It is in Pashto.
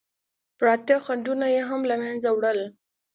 پراته خنډونه یې هم له منځه وړل.